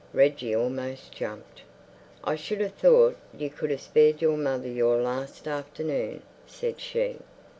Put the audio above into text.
Reggie almost jumped. "I should have thought you could have spared your mother your last afternoon," said she.